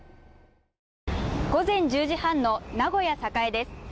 午前１０時半の名古屋栄です。